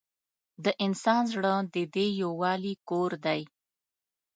د انسان زړه د دې یووالي کور دی.